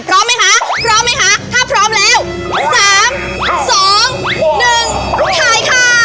พร้อมไหมคะพร้อมไหมคะถ้าพร้อมแล้ว๓๒๑ถ่ายค่ะ